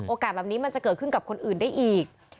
แบบนี้มันจะเกิดขึ้นกับคนอื่นได้อีก